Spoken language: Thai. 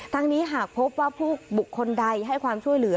นี้หากพบว่าผู้บุคคลใดให้ความช่วยเหลือ